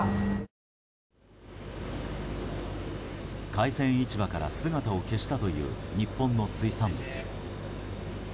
海鮮市場から姿を消したという日本の水産物。